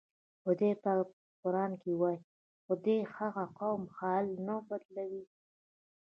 خدای پاک په قرآن کې وایي: "خدای د هغه قوم حال نه بدلوي".